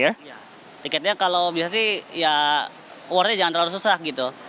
tiketnya kalau biasa sih ya awardnya jangan terlalu susah gitu